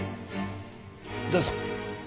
どうぞ。